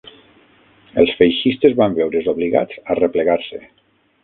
Els feixistes van veure's obligats a replegar-se